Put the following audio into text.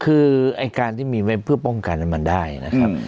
คือไอ้การที่มีไว้เพื่อป้องกันมันได้นะครับ